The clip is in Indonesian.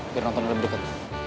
biar nonton lebih deket